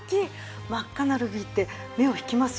真っ赤なルビーって目を引きますよね。